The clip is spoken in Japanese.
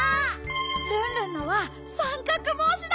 ルンルンのはさんかくぼうしだ！